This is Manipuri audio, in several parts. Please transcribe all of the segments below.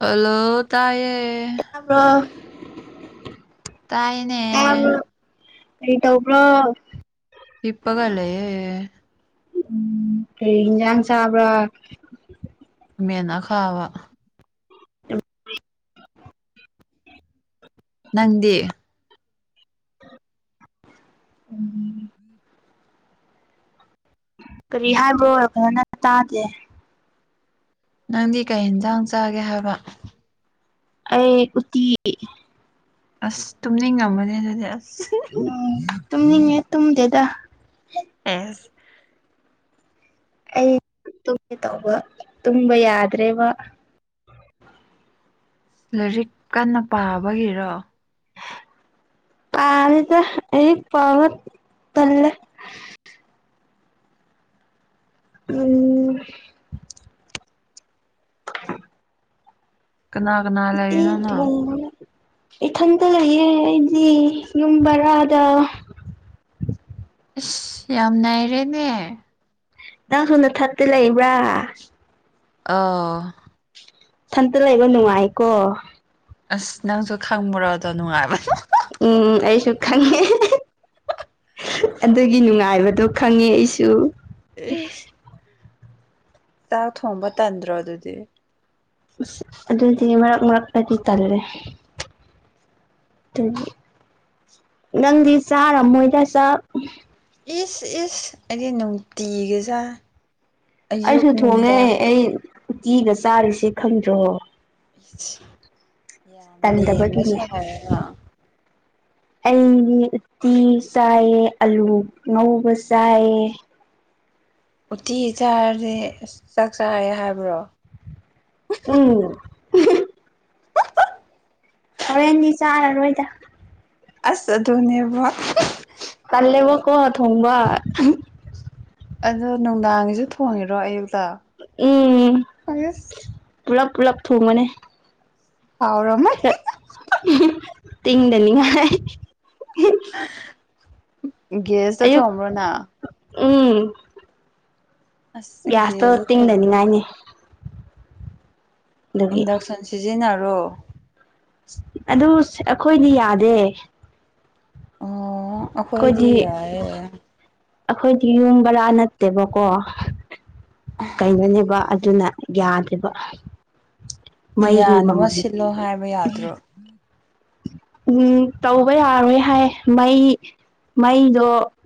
ꯍꯜꯂꯣ ꯇꯥꯏꯌꯦ ꯇꯥꯕ꯭ꯔꯣ ꯇꯥꯏꯌꯦ ꯇꯥꯕ꯭ꯔꯣ ꯀꯩ ꯇꯧꯕ꯭ꯔꯣ ꯍꯤꯞꯄꯒ ꯂꯩꯌꯦ ꯎꯝ ꯀꯩ ꯏꯟꯖꯥꯡ ꯆꯥꯕ꯭ꯔ ꯈꯃꯦꯟ ꯑꯈꯥꯕ ꯅꯪꯗꯤ ꯎꯝ ꯀꯔꯤ ꯍꯥꯏꯕ꯭ꯔꯣ ꯐꯖꯅ ꯇꯥꯗꯦ ꯅꯪꯗꯤ ꯀꯩ ꯏꯟꯖꯥꯡ ꯆꯥꯒꯦ ꯍꯥꯏꯕ ꯑꯩ ꯎꯠꯇꯤ ꯑꯁ ꯇꯨꯝꯅꯤꯡ ꯉꯝꯃꯅꯤ ꯑꯗꯨꯗꯤ ꯑꯁ ꯎꯝ ꯇꯨꯝꯅꯤꯡꯉꯦ ꯇꯨꯝꯗꯦꯗ ꯑꯦꯁ ꯑꯩ ꯇꯨꯝꯒꯦ ꯇꯧꯕ ꯇꯨꯝꯕ ꯌꯥꯗ꯭ꯔꯦꯕ ꯂꯥꯏꯔꯤꯛ ꯀꯟꯅ ꯄꯥꯕꯒꯤꯔꯣ ꯄꯥꯗꯦꯗ ꯂꯥꯏꯔꯤꯛ ꯄꯥꯕ ꯇꯜꯂꯦ ꯎꯨꯝ [inaudible] ꯀꯅꯥ ꯀꯅꯥ ꯎꯇꯤ ꯂꯩꯔꯤꯅꯣ ꯅꯪ ꯊꯣꯡꯕꯅꯦ ꯏꯊꯟꯇ ꯂꯩꯌꯦ ꯑꯩꯗꯤ ꯌꯨꯝ ꯕꯔꯥꯗ ꯏꯁ ꯌꯥꯝ ꯅꯥꯏꯔꯦꯅꯦ ꯅꯪꯁꯨ ꯅꯊꯟꯇ ꯂꯩꯕ꯭ꯔꯥ ꯑꯥꯎ ꯊꯟꯇ ꯂꯩꯕ ꯅꯨꯡꯉꯥꯏꯀꯣ ꯑꯁ ꯅꯪꯁꯨ ꯈꯪꯕꯨꯔꯣꯗꯣ ꯅꯨꯡꯉꯥꯏꯕ ꯎꯝ ꯑꯩꯁꯨ ꯈꯪꯉꯦ ꯑꯗꯨꯒꯤ ꯅꯨꯡꯉꯥꯏꯕꯗꯣ ꯈꯪꯉꯦ ꯑꯩꯁꯨ ꯏꯤꯁ ꯆꯥꯛ ꯊꯣꯡꯕ ꯇꯟꯗ꯭ꯔꯣ ꯑꯗꯨꯗꯤ ꯑ ꯑꯗꯨꯗꯤ ꯃꯔꯛ ꯃꯔꯛꯇꯗꯤ ꯇꯜꯂꯦ ꯗꯨꯒꯤ ꯅꯪꯗꯤ ꯆꯥꯔꯝꯃꯣꯏꯗ ꯆꯥꯛ ꯏꯤꯁ ꯏꯤꯁ ꯑꯩꯗꯤ ꯅꯨꯡꯇꯤꯒꯤ ꯆꯥꯏ ꯑꯌꯨꯛ ꯑꯩꯁꯨ ꯊꯣꯡꯉꯦ ꯅꯨꯡꯗꯥꯡ ꯑꯩ ꯎꯇꯤꯒ ꯆꯥꯔꯤꯁꯦ ꯈꯪꯗ꯭ꯔꯣ ꯌꯥꯝ ꯂꯦꯝꯕ ꯇꯟꯗꯕꯒꯤꯅꯦ ꯁꯥꯟꯅꯔꯒ ꯑꯩꯗꯤ ꯎꯇꯤ ꯆꯥꯏꯌꯦ ꯑꯂꯨ ꯉꯧꯕ ꯆꯥꯏꯌꯦ ꯎꯇꯤ ꯆꯥꯔꯗꯤ ꯑꯁ ꯆꯥꯛ ꯆꯥꯔꯦ ꯍꯥꯏꯕ꯭ꯔꯣ ꯎꯨꯝ ꯍꯣꯔꯦꯟꯗꯤ ꯆꯥꯔꯔꯣꯏꯗ ꯑꯁ ꯑꯗꯨꯅꯦꯕ ꯇꯜꯂꯦꯕꯣꯀꯣ ꯊꯣꯡꯕ ꯑꯗꯣ ꯅꯨꯡꯗꯥꯡꯒꯤꯁꯨ ꯊꯣꯡꯉꯤꯔꯣ ꯑꯌꯨꯛꯇ ꯎꯝ ꯑꯁ ꯄꯨꯂꯞ ꯄꯨꯂꯞ ꯊꯨꯡꯕꯅꯤ ꯍꯥꯎꯔꯝꯃꯥ ꯍꯦ ꯎꯍꯨ ꯇꯤꯡꯗꯅꯤꯡꯉꯥꯏ ꯒꯦꯁꯇ ꯑꯌꯨꯛ ꯊꯣꯕ꯭ꯔꯣ ꯅꯥ ꯎꯝ ꯑꯁ ꯒ꯭ꯌꯥꯁꯇꯣ ꯒꯦꯖꯇ ꯊꯣꯡꯕ ꯇꯤꯡꯗꯅꯤꯡꯉꯥꯏꯅꯤ [unintelligible] ꯑꯗꯨꯒꯤ ꯏꯟꯗꯛꯁꯟ ꯁꯤꯖꯤꯟꯅꯔꯣ ꯑꯗꯨ ꯑꯩꯈꯣꯏꯗꯤ ꯌꯥꯗꯦ ꯑꯣ ꯑꯩꯈꯣꯏꯗꯤ ꯌꯥꯌꯦ ꯑꯩꯈꯣꯏꯗꯤ ꯌꯨꯝ ꯕꯔꯥ ꯅꯠꯇꯦꯕꯀꯣ ꯀꯩꯅꯣꯅꯦꯕ ꯑꯗꯨꯅ ꯌꯥꯗꯕ ꯌꯥꯅꯕ ꯁꯤꯠꯂꯣ ꯍꯥꯏꯕ ꯌꯥꯗ꯭ꯔꯣ ꯎꯝ ꯇꯧꯕ ꯌꯥꯔꯣꯏ ꯍꯥꯏ ꯃꯩ ꯃꯩꯗꯣ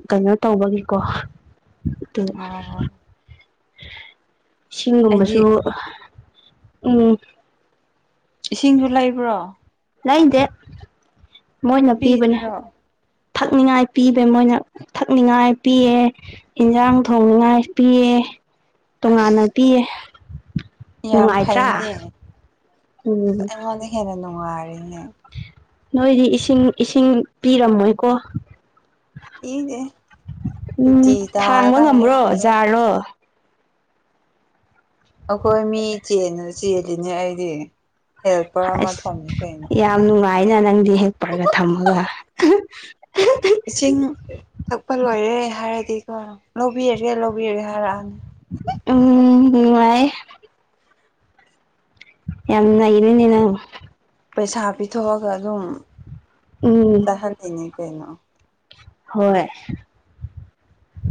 ꯀꯩꯅꯣ ꯇꯧꯕꯒꯤꯀꯣ ꯑꯣ ꯑꯣ ꯑꯩꯗꯤ ꯏꯁꯤꯡꯒꯨꯝꯕꯁꯨ ꯎꯝ ꯏꯁꯤꯡꯁꯨ ꯂꯩꯕ꯭ꯔꯣ ꯂꯩꯗꯦ ꯃꯣꯏꯅ ꯄꯤꯕꯅꯦ ꯐ꯭ꯔꯤꯗꯔꯣ ꯊꯛꯅꯤꯉꯥꯏ ꯄꯤꯕ ꯃꯣꯏꯅ ꯊꯛꯅꯤꯡꯉꯥꯏ ꯄꯤꯌꯦ ꯏꯟꯁꯥꯡ ꯊꯣꯡꯅꯤꯉꯥꯏ ꯄꯤꯌꯦ ꯇꯣꯉꯥꯟꯅ ꯄꯤꯌꯦ ꯌꯥꯝ ꯅꯨꯡꯉꯥꯏꯇ꯭ꯔꯥ ꯐꯩꯅꯦ ꯎꯝ ꯑꯁ ꯑꯩꯉꯣꯟꯗ ꯍꯦꯟꯅ ꯅꯨꯡꯉꯥꯏꯔꯤꯅꯦ ꯅꯣꯏꯗꯤ ꯏꯁꯤꯡ ꯏꯁꯤꯡ ꯄꯤꯔꯝꯃꯣꯏꯀꯣ ꯄꯤꯗꯦ ꯎꯝ ꯇꯣꯇꯤ ꯊꯥꯡꯕ ꯇꯥꯔꯀꯥꯟꯗ ꯉꯝꯕ꯭ꯔꯣ ꯀꯩꯅꯣ ꯖꯥꯔꯣ ꯑꯩꯈꯣꯏ ꯃꯤ ꯆꯦꯟ ꯆꯦꯜꯂꯤꯅꯦ ꯑꯩꯗꯤ ꯍꯦꯜꯄꯔ ꯑꯃ ꯑꯁ ꯊꯝꯃꯤ ꯀꯩꯅꯣ ꯌꯥꯝ ꯅꯨꯡꯉꯥꯏꯅ ꯅꯪꯗꯤ ꯍꯦꯜꯄꯔꯒ ꯊꯝꯃꯒ ꯏꯁꯤꯡ ꯊꯛꯄ ꯂꯣꯏꯔꯦ ꯍꯥꯏꯔꯗꯤꯀꯣ ꯂꯧꯕꯤꯔꯒꯦ ꯂꯧꯕꯤꯔꯒꯦ ꯍꯥꯏꯔꯛꯑꯅꯤ ꯎꯝ ꯅꯨꯡꯉꯥꯏ ꯌꯦ ꯌꯥꯝꯅ ꯅꯩꯔꯅꯤ ꯅꯪ ꯄꯩꯁꯥ ꯄꯤꯊꯣꯛꯑꯒ ꯑꯗꯨꯝ ꯎꯝ ꯇꯍꯟꯗꯣꯏꯅꯦ ꯀꯩꯅꯣ ꯍꯣꯏ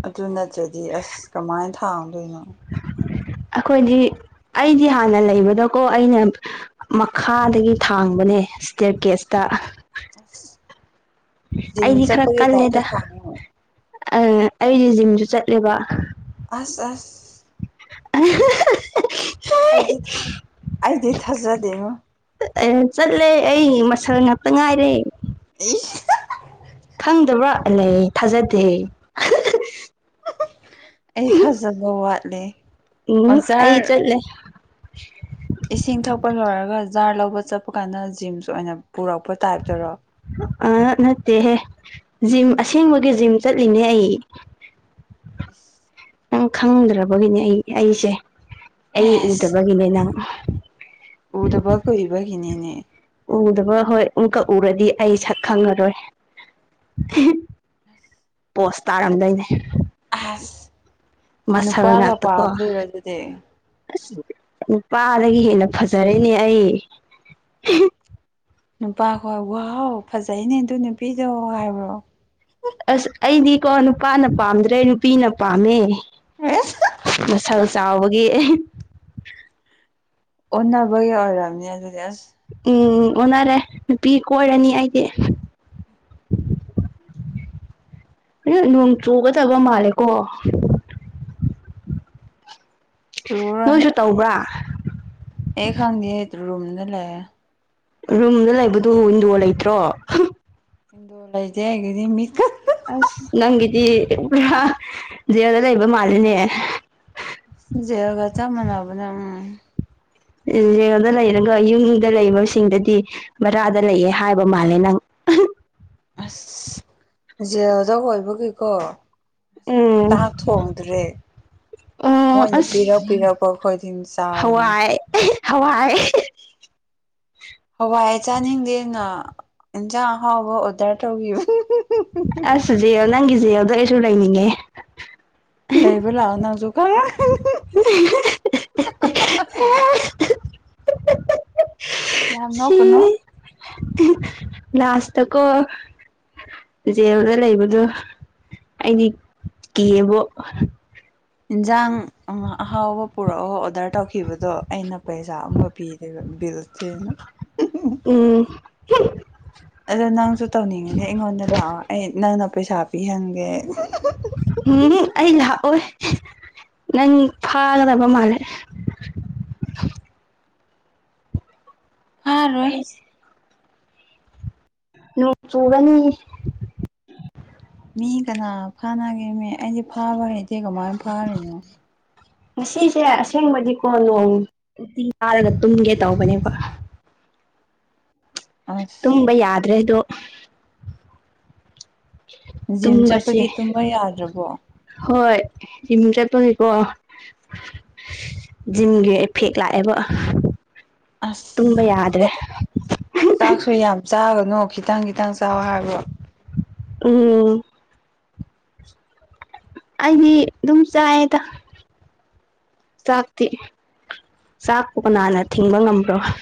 ꯑꯗꯨ ꯅꯠꯇ꯭ꯔꯗꯤ ꯑꯁ ꯀꯃꯥꯏꯅ ꯊꯥꯡꯗꯣꯏꯅꯣ ꯑꯩꯈꯣꯏꯗꯤ ꯑꯩꯗꯤ ꯍꯥꯟꯅ ꯂꯩꯕꯗꯀꯣ ꯑꯩꯅ ꯃꯈꯥꯗꯒꯤ ꯊꯥꯡꯕꯅꯦ ꯏꯁꯇꯦꯌꯥꯔ ꯀꯦꯁꯇ ꯖꯤꯝ ꯑꯩꯗꯤ ꯆꯠꯞꯒꯤ ꯇꯥꯏ꯭ꯞ ꯇꯥ ꯊꯥꯉꯣ ꯑ ꯑꯩꯁꯦ ꯖꯤꯝꯁꯨ ꯆꯠꯂꯦꯕ ꯑꯁ ꯑꯁ ꯑ [unintelligible] ꯑꯩꯗꯤ ꯊ ꯑꯩꯗꯤ ꯊꯖꯥꯗꯦꯉꯣ ꯑꯦ ꯆꯠꯂꯦ ꯑꯩ ꯃꯁꯜ ꯉꯥꯛꯇ ꯉꯥꯏꯔꯦ ꯑꯩ ꯈꯪꯗꯕ꯭ꯔꯥ ꯂꯩ ꯊꯥꯖꯗꯦ ꯑꯩ ꯊꯥꯖꯕ ꯋꯥꯠꯂꯦ ꯎꯝ ꯑꯩ ꯆꯠꯂꯦ ꯏꯁꯤꯡ ꯊꯛꯄ ꯂꯣꯏꯔꯒ ꯖꯥꯔ ꯂꯧꯕ ꯆꯠꯄ ꯀꯥꯟꯗ ꯖꯤꯝꯁ ꯑꯣꯏꯅ ꯄꯨꯔꯛꯄ ꯇꯥꯏ꯭ꯞꯇꯔꯣ ꯑ ꯅꯠꯇꯦꯍꯦ ꯖꯤꯝ ꯑꯁꯦꯡꯕꯒꯤ ꯖꯤꯝ ꯆꯠꯂꯤꯅꯦ ꯑꯩ ꯑ [unintelligible] ꯅꯪ ꯈꯪꯗ꯭ꯔꯕꯒꯤꯅꯤ ꯑꯩ ꯑꯩꯁꯦ ꯑꯩ ꯑꯦꯁ ꯎꯗꯕꯒꯤꯅꯦ ꯅꯪ ꯎꯗꯕ ꯀꯨꯏꯕꯒꯤꯅꯦꯅꯦ ꯎꯗꯕ ꯍꯣꯏ ꯑꯃꯨꯛꯀꯛ ꯎꯔꯗꯤ ꯑꯩ ꯁꯛ ꯈꯪꯉꯔꯣꯏ ꯄꯣꯁ ꯇꯥꯔꯝꯗꯣꯏꯅꯦ ꯑꯁ ꯃꯁꯜ ꯅꯨꯄꯥꯒ ꯉꯥꯛꯇꯀꯣ ꯄꯥꯝꯗꯣꯏꯔꯣ ꯑꯗꯨꯗꯤ ꯑꯁ ꯅꯨꯄꯥꯗꯒꯤ ꯍꯦꯟꯅ ꯐꯖꯔꯦꯅꯦ ꯑꯩ ꯅꯨꯄꯥ ꯍꯣꯏ ꯋꯥꯎ ꯐꯖꯩꯅꯦ ꯑꯗꯨ ꯅꯨꯄꯤꯗꯣ ꯍꯥꯏꯕ꯭ꯔꯣ ꯑꯁ ꯑꯩꯗꯤꯀꯣ ꯅꯨꯄꯥꯅ ꯄꯥꯝꯗ꯭ꯔꯦ ꯅꯨꯄꯤꯅ ꯄꯥꯝꯃꯦ ꯑꯦꯁ ꯃꯁꯜ ꯆꯥꯎꯕꯒꯤ ꯑꯣꯟꯅꯕꯒꯤ ꯑꯣꯏꯔꯥꯝꯅꯤ ꯑꯗꯨꯗꯤ ꯑꯁ ꯎꯝ ꯑꯣꯟꯅꯔꯦ ꯅꯨꯄꯤ ꯀꯣꯏꯔꯅꯤ ꯑꯩꯗꯤ꯫ ꯑ ꯅꯣꯡ ꯆꯨꯒꯗꯕ ꯃꯥꯜꯂꯦꯀꯣ꯫ ꯅꯣꯏꯁꯨ ꯇꯧꯕ꯭ꯔꯥ꯫ ꯑꯦ ꯈꯪꯗꯦ ꯔꯨꯝꯗ ꯂꯩꯑꯦ꯫ ꯔꯨꯝꯗ ꯂꯩꯕꯗꯨ ꯋꯤꯟꯗꯣ ꯂꯩꯇ꯭ꯔꯣ꯫ ꯗꯣ ꯂꯩꯇꯦ ꯑꯩꯒꯗꯤ ꯃꯤꯛꯀ ꯑꯁ ꯅꯪꯒꯤꯗꯤ ꯄꯨꯔꯥ ꯖꯦꯜꯗ ꯂꯩꯕ ꯃꯥꯜꯂꯤꯅꯦ꯫ ꯑꯁ ꯖꯦꯜꯒ ꯆꯞ ꯃꯅꯕꯅꯦ ꯎꯝ꯫ ꯖꯦꯜꯗ ꯂꯩꯔꯒ ꯌꯨꯝꯗ ꯂꯩꯕꯁꯤꯡꯗꯗꯤ ꯕꯔꯥꯗ ꯂꯩꯌꯦ ꯍꯥꯏꯕ ꯃꯥꯜꯂꯦ ꯅꯪ꯫ ꯑꯁ ꯖꯦꯜꯗ ꯑꯣꯏꯕꯒꯤꯀꯣ ꯎꯝ ꯆꯥꯛ ꯊꯣꯡꯗ꯭ꯔꯦ꯫ ꯎꯝ ꯃꯣꯏꯅ ꯄꯤꯔꯛ ꯑꯁ ꯄꯤꯔꯛꯄ ꯑꯩꯈꯣꯏꯗꯤꯟ ꯆꯥ ꯍꯋꯥꯏ꯫ ꯍꯋꯥꯏ꯫ ꯍꯋꯥꯏ ꯆꯥꯅꯤꯡꯗꯦꯅ ꯏꯟꯁꯥꯡ ꯑꯍꯥꯎꯕ ꯑꯣꯔꯗꯔ ꯇꯧꯒꯤꯕ ꯑꯁ ꯖꯦꯜ ꯅꯪꯒꯤ ꯖꯦꯜꯗꯣ ꯑꯩꯁꯨ ꯂꯩꯅꯤꯡꯉꯦ꯫ ꯂꯩꯕ ꯂꯥꯛꯑꯣ ꯅꯪꯖꯨ ꯈꯪ [unintelligible] ꯌꯥꯝ ꯅꯣꯛꯀꯅꯨ꯫ [unintelligible] ꯂꯥꯁꯇ ꯀꯣ ꯖꯦꯜꯗ ꯂꯩꯕꯗꯨ ꯑꯩꯗꯤ ꯀꯤꯌꯦꯕꯣ꯫ ꯏꯟꯖꯥꯡ ꯑꯍꯥꯎꯕ ꯄꯨꯔꯛꯑꯣ ꯑꯣꯗꯔ ꯇꯧꯈꯤꯕꯗꯣ ꯑꯩꯅ ꯄꯩꯁꯥ ꯑꯃꯒ ꯄꯤꯗꯣꯏꯕ ꯕꯤꯜꯇꯦꯅ꯫ ꯎꯝ꯫ ꯑꯗꯣ ꯅꯪꯁꯨ ꯇꯧꯅꯤꯡꯑꯗꯤ ꯑꯩꯉꯣꯟꯗ ꯂꯥꯛꯑꯣ ꯑꯩ ꯅꯪꯅ ꯄꯩꯁꯥ ꯄꯤꯍꯟꯒꯦ꯫ ꯎꯝ ꯍꯝ ꯑꯩ ꯂꯥꯛꯑꯣꯏ ꯅꯪ ꯐꯥꯒꯗꯕ ꯃꯥꯜꯂꯦ꯫ ꯐꯥꯔꯣꯏ꯫ ꯑꯩꯁꯦ ꯅꯣꯡ ꯆꯨꯒꯅꯤ꯫ ꯃꯤ ꯀꯅꯥ ꯐꯥꯅꯒꯦꯅꯦ ꯑꯩꯗꯤ ꯐꯥꯕ ꯍꯩꯇꯦ ꯀꯃꯥꯏꯅ ꯐꯥꯔꯤꯅꯣ꯫ ꯉꯁꯤꯁꯦ ꯑꯁꯦꯡꯕꯗꯤꯀꯣ ꯅꯣꯡ ꯅꯨꯡꯇꯤ ꯇꯥꯔꯒ ꯇꯨꯝꯒꯦ ꯇꯧꯕꯅꯦꯕ꯫ ꯇꯨꯝꯕ ꯑꯁ ꯌꯥꯗ꯭ꯔꯦ ꯑꯗꯣ ꯖꯤꯝ ꯆꯠꯄꯒꯤ ꯇꯨꯝꯕꯁꯦ ꯇꯨꯝꯕ ꯌꯥꯗ꯭ꯔꯕꯣ꯫ ꯍꯣꯏ ꯖꯤꯝ ꯆꯠꯄꯒꯤꯀꯣ꯫ ꯖꯤꯝꯒꯤ ꯏꯐꯦꯛ ꯂꯥꯛꯑꯦꯕ ꯑꯁ ꯇꯨꯝꯕ ꯌꯥꯗ꯭ꯔꯦ꯫ ꯆꯥꯛꯁꯨ ꯌꯥꯝ ꯆꯥꯒꯅꯣ ꯈꯤꯇꯪ ꯈꯤꯇꯪ ꯆꯥꯎ ꯍꯥꯏꯕ꯭ꯔꫭ꯫ ꯎꯝ꯫ ꯑꯩꯗꯤ ꯑꯗꯨꯝ ꯆꯥꯑꯦꯗ꯫ ꯆꯥꯛꯇꯤ ꯆꯥꯛꯄꯨ ꯀꯅꯥꯟꯅ ꯊꯤꯡꯕ ꯉꯝꯕ꯭ꯔꫭ꯫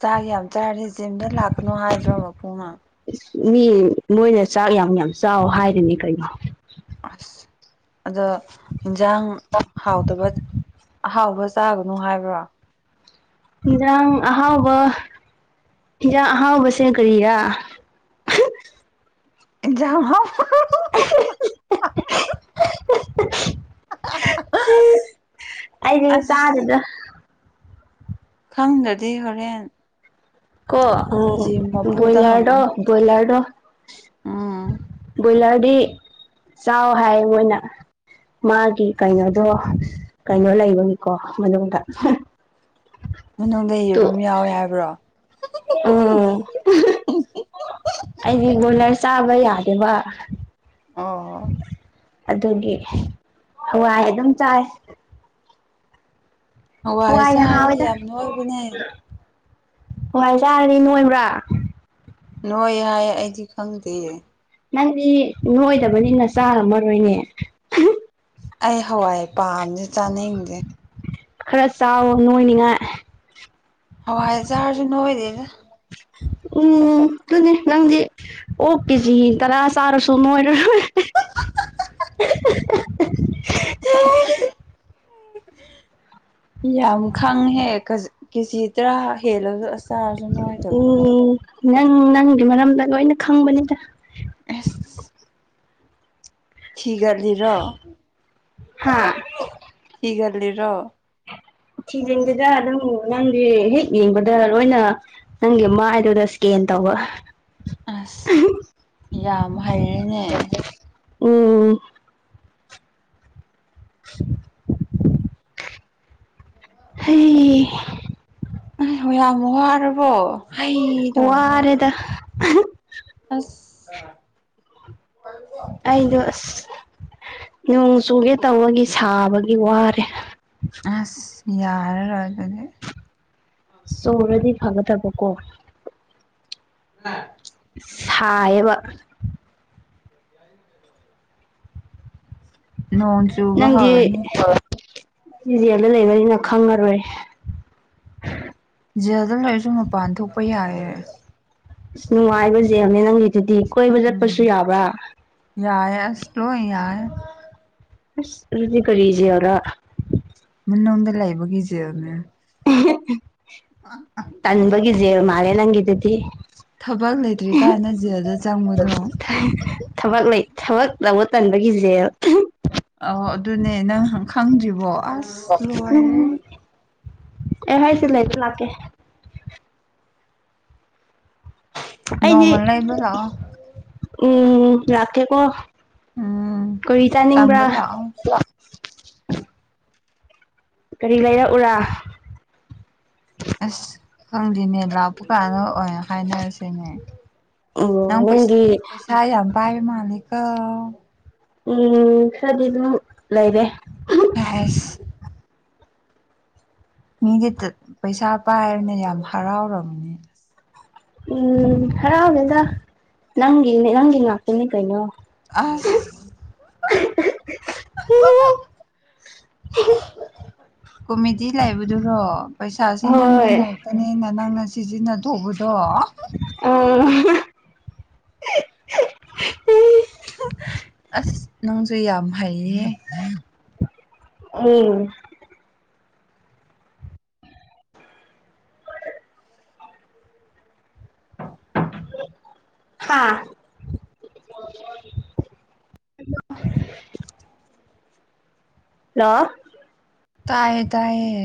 ꯆꯥꯛ ꯌꯥꯝ ꯆꯥꯔꯗꯤ ꯖꯤꯝꯗ ꯂꯥꯛꯀꯅꯨ ꯍꯥꯏꯗ꯭ꯔꯣ ꯃꯄꯨꯅ꯫ ꯏꯁ ꯃꯤ ꯃꯣꯏꯅ ꯆꯥꯛ ꯌꯥꯝ ꯌꯥꯝ ꯆꯥꯑꫭ ꯍꯥꯏꯔꯤꯅꯤ ꯀꯩꯅꯣ꯫ ꯑꯁ ꯑꯗꯣ ꯏꯟꯖꯥꯡ ꯍꯥꯎꯇꯕ ꯑꯍꯥꯎꯕ ꯆꯥꯒꯅꯨ ꯍꯥꯏꯕ꯭ꯔꯣ꯫ ꯍꯤꯟꯖꯥꯡ ꯑꯍꯥꯎꯕ ꯍꯤꯟꯖꯥꯡ ꯑꯍꯥꯎꯕꯁꯦ ꯀꯔꯤꯔꯥ꯫ ꯏꯟꯖꯥꯡ ꯍꯥꯎꯕ [unintelligible] ꯑꯩꯗꯤ ꯑꯁ ꯆꯥꯗꯦꯗ꯫ ꯈꯪꯗ꯭ꯔꯗꯤ ꯍꯣꯔꯦꯟ ꯀꯣ ꯖꯤꯝ ꯎꯪ ꯃꯄꯨꯗ ꯕꯣꯏꯂꯔꯗꯣ ꯍꯪꯉꯨ ꯕꯣꯏꯂꯔꯗꯣ꯫ ꯎꯝ꯫ ꯀꯣꯏꯂꯔꯗꯤ ꯆꯥꯑꫭ ꯍꯥꯏꯌꯦ ꯃꯣꯏꯅ꯫ ꯃꯥꯒꯤ ꯀꯩꯅꯣꯗꯣ ꯀꯩꯅꯣ ꯂꯩꯕꯒꯤꯀꯣ ꯃꯅꯨꯡꯗ꯫ ꯃꯅꯨꯡꯗ ꯌꯦꯔꯨꯝ ꯌꯥꯎꯑꯦ ꯍꯥꯏꯕ꯭ꯔꯣ꯫ [unintelligible] ꯑꯩꯗꯤ ꯕꯣꯏꯂꯔ ꯆꯥꯕ ꯌꯥꯗꯦꯕ꯫ ꯑꯣ꯫ ꯑꯗꯨꯒꯤ ꯍꯋꯥꯏ ꯑꯗꯨꯝ ꯆꯥꯏ꯫ ꯍꯋꯥꯏ ꯍꯋꯥꯏꯅ ꯆꯥꯔꯗꯤ ꯍꯥꯎꯋꯦꯗ ꯌꯥꯝ ꯅꯣꯏꯕꯅꯦ ꯍꯋꯥꯏ ꯆꯥꯔꯗꯤ ꯅꯣꯏꯕ꯭ꯔꯥ꯫ ꯅꯣꯏꯌꯦ ꯍꯥꯏꯌꯦ ꯑꯩꯗꯤ ꯈꯪꯗꯦ꯫ ꯅꯪꯗꯤ ꯅꯣꯏꯗꯕꯅꯤꯅ ꯆꯥꯔꯝꯃꯔꯣꯏꯅꯦ꯫ ꯑꯩ ꯍꯋꯥꯏ ꯄꯥꯝꯗꯦ ꯆꯥꯅꯤꯡꯗꯦ꯫ ꯈꯔ ꯆꯥꯎꯋꯣ ꯅꯣꯏꯅꯤꯉꯥꯏ꯫ ꯍꯋꯥꯏ ꯆꯥꯔꯁꯨ ꯅꯣꯏꯗꯦꯗ꯫ ꯎꯝ ꯗꯨꯅꯦ ꯅꯪꯗꯤ꯫ ꯑꯣꯛ ꯀꯦꯖꯤ ꯇꯔꯥ ꯆꯥꯔꯁꯨ ꯅꯣꯏꯔꯣꯏ꯫ [unintelligible] ꯌꯥꯝ ꯈꯪꯍꯦ ꯀꯖ ꯀꯦꯖꯤ ꯇꯔꯥ ꯍꯦꯜꯂꯁꯨ ꯑꯁ ꯎꯝ ꯅꯪ ꯅꯪꯒꯤ ꯃꯔꯝꯗ ꯂꯣꯏꯅ ꯈꯪꯕꯅꯤꯗ꯫ [unintelligible] ꯊꯤꯒꯠꯂꯤꯔꫭ ꯍꯥ ꯊꯤꯒꯠꯂꯤꯔꫭ꯫ ꯊꯤꯅꯤꯡꯗꯦꯗ ꯑꯗꯨꯝ ꯅꯪꯗꯤ ꯍꯦꯛ ꯌꯦꯡꯕꯗ ꯂꯣꯏꯅ ꯅꯪꯒꯤ ꯃꯥꯏꯗꯨꯗ ꯁ꯭ꯀꯦꯟ ꯇꯧꯕ꯫ ꯑꯁ ꯌꯥꯝ ꯍꯩꯔꯦꯅꯦ꯫ [unintelligible] [unintelligible] ꯍꯩ ꯑ ꯌꯥꯝ ꯋꯥꯔꯕꯣ꯫ [unintelligible] ꯋꯥꯔꯦꯗ꯫ ꯑꯁ꯫ ꯑꯩꯗꫭ ꯑꯁ ꯅꯣꯡ ꯆꯨꯒꯦ ꯇꯧꯕꯒꯤ ꯁꯥꯕꯒꯤ ꯋꯥꯔꯦ꯫ ꯑꯁ ꯌꯥꯔꯔꯣꯏ ꯑꯗꯨꯗꯤ꯫ ꯆꯣꯔꯗꯤ ꯐꯒꯗꯕ ꯀꯣ꯫ [unintelligible] ꯁꯥꯑꯦꯕ꯫ [inaudible] ꯅꯣꯡ ꯆꯨꯕ ꯅꯪꯗꯤ ꯍꯧꯔꯅꯤ ꯖꯦꯜꯗ ꯂꯩꯕꯅꯤꯅ ꯈꯪꯉꯔꯣꯏ꯫ ꯖꯦꯜꯗ ꯂꯩꯔꯁꯨ ꯃꯄꯥꯟ ꯊꯣꯛꯄ ꯌꯥꯏꯑꯦ꯫ ꯑꯁ ꯅꯨꯡꯉꯥꯏꯕ ꯖ‌ꯦꯜꯅꯦ ꯅꯪꯒꯤꯗꯨꯗꯤ ꯀꯣꯏꯕ ꯆꯠꯄꯁꯨ ꯌꯥꯕ꯭ꯔꯥ ꯌꯥꯌ‌ꯦ ꯑꯁ ꯂ‌ꯣꯏ ꯌꯥꯏ ꯑꯁ ꯀꯔꯗꯤ ꯀꯔꯤ ꯖ‌ꯦꯜ ꯔꯥ ꯃꯅꯨꯡꯗ ꯂꯩꯕꯒꯤ ꯖꯦꯜ ꯅꯦ ꯇꯟꯕꯒꯤ ꯖ‌ꯦꯜ ꯃꯥꯜꯂꯦ ꯅꯪꯒꯤꯗꯨꯗꯤ ꯊꯕꯛ ꯂꯩꯇ꯭ꯔꯤ ꯀꯥꯟꯗ ꯖꯦꯜꯗ ꯆꯪꯕꯗꯣ ꯊꯕꯛ ꯂꯩ ꯊꯕꯛ ꯂꯧꯕ ꯇꯟꯕꯒꯤ ꯖ‌ꯦꯜ ꯑꯥ ꯑꯗꯨꯅꯦ ꯅꯪ ꯍꯥꯟ ꯈꯪꯗ꯭ꯔꯤꯕꯣ ꯑꯁ ꯑꯁ ꯎꯝ ꯂꯣꯏꯔꯦ ꯑꯩ ꯍꯥꯏꯁꯦ ꯂꯩꯕ ꯂꯥꯛꯀꯦ ꯑꯩꯗꯤ ꯅꯣꯡꯃꯥ ꯂꯩꯕ ꯂꯥ ꯑ‌ꯣ ꯎꯝ ꯂꯥꯛꯀꯦꯀꯣ ꯎꯝ ꯀꯔꯤ ꯆꯥꯅꯤꯡꯕ꯭ꯔꯥ ꯇꯝꯕ ꯂꯥꯛꯑꯣ ꯀꯔꯤ ꯂꯩꯔꯛꯎꯔꯥ ꯑꯁ ꯈꯪꯗꯦꯅꯦ ꯂꯥꯛꯄ ꯀꯥꯟꯗ ꯑꯣꯏꯅ ꯍꯥꯏꯅ ꯔꯁꯤꯅꯦ ꯎꯝ ꯅꯪ ꯄꯩꯁ ꯅꯪꯒꯤ ꯄꯩꯁꯥ ꯌꯥꯝ ꯄꯥꯏ ꯃꯥꯜꯂꯤꯀꯣ ꯎꯝ ꯈꯔꯗꯤ ꯑꯗꯨꯝ ꯂꯩꯔꯦ [unintelligible] ꯃꯤꯗꯤ ꯇꯠ ꯄꯩꯁꯥ ꯄꯥꯏꯔꯝꯅꯤ ꯌꯥꯝ ꯍꯔꯥꯎꯔꯝꯅꯤ ꯎꯝ ꯍꯔꯥꯎꯗ‌ꯦꯗ ꯅꯪꯒꯤꯅꯦ ꯅꯪꯒꯤ ꯉꯥꯛꯇꯅꯦ ꯀꯩꯅꯣ ꯑꯁ ꯀ‌ꯣꯃ‌ꯦ ꯇꯤ ꯂꯩꯕꯗꯨꯔꯣ ꯄꯩꯁꯥꯁꯦ ꯅꯪꯒꯤ ꯍꯣꯏ ꯉꯥꯛꯇꯅꯦꯅ ꯅꯪꯅ ꯁꯤꯖꯤꯟ ꯅꯊ‌ꯣꯛꯕꯗꯣ ꯑꯣ ꯑꯁ ꯅꯪꯁꯨ ꯌꯥꯝ ꯍꯩꯌꯦ ꯑꯧ ꯍꯥꯥ ꯂꯣ ꯇꯥꯌꯦ ꯇꯥꯏꯌꯦ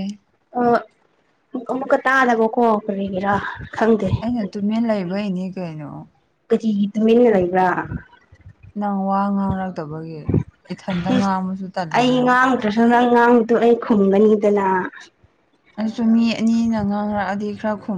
ꯑ ꯑꯃꯨꯛꯀ ꯇꯥꯗꯕꯀꯣ ꯀꯔꯤꯒꯤꯔꯥ ꯈꯪꯗꯦ ꯑꯩꯅ ꯇꯨꯃꯤꯟ ꯂꯩꯕꯩꯅꯦ ꯀꯩꯅꯣ ꯀꯔꯤꯒꯤ ꯇꯨꯃꯤꯟꯅ ꯂꯩꯕꯔꯥ ꯅꯪ ꯋꯥ ꯉꯥꯡꯔꯛꯇꯕꯒꯤ ꯏꯊꯟꯇ ꯉꯥꯡꯕꯁꯨ ꯇꯜꯂꯦ ꯅꯪ ꯔꯁꯟꯗ ꯉꯥꯡꯕꯗꯣ ꯑꯩ ꯈꯨꯝꯒꯅꯤꯗꯅ ꯑꯩꯁꯨ ꯃꯤ ꯑꯅꯤꯅ ꯉꯥꯡꯔꯛꯑꯗꯤ ꯈꯔ ꯈꯨꯝ